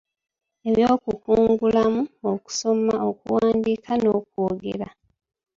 Eby’okukugula mu Okusoma, Okuwandiika , N’okwogera